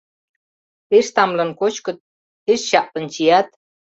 Пеш тамлын кочкыт, пеш чаплын чият